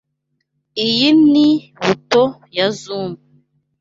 Iyi ni buto yo zoom.